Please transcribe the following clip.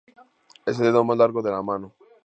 Es el dedo más largo de la mano.